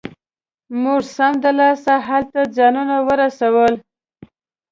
موږ سمدلاسه هلته ځانونه ورسول.